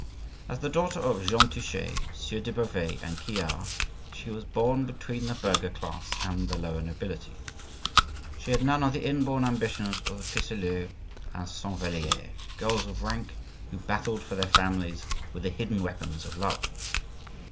As the daughter of Jean Touchet, Sieur de Beauvais and Quillard, she was born between the burgher class and the lower nobility; she had none of the inborn ambitions of the Pisseleus and Saint Valliers, girls of rank, who battled for their families with the hidden weapons of love.